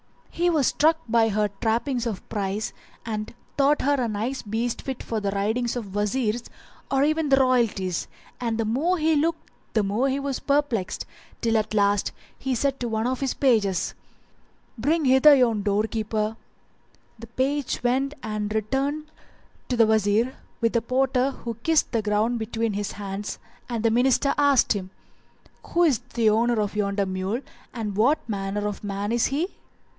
He was struck by her trappings of price and thought her a nice beast fit for the riding of Wazirs or even of royalties; and the more he looked the more was he perplexed till at last he said to one of his pages, "Bring hither yon door keeper," The page went and returned to the Wazir with the porter who kissed the ground between his hands, and the Minister asked him, "Who is the owner of yonder mule and what manner of man is he?"